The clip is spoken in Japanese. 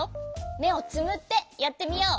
めをつむってやってみよう。